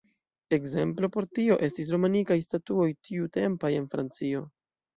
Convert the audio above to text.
Ekzemplo por tio estis romanikaj statuoj tiutempaj en Francio.